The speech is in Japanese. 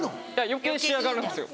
余計仕上がるんですよ。